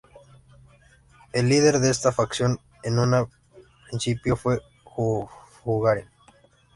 El líder de esta facción, en un principio, fue Bujarin.